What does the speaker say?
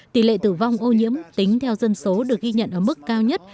tỷ lệ tử vong ô nhiễm tính theo dân số được ghi nhận ở mức cao nhất